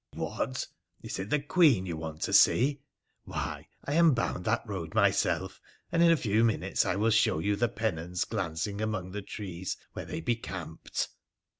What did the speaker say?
' What, is it the Queen you want to see ? Why, I am bound that road myself, and in a few minutes I will show you the pennons glancing among the trees where they be camped.'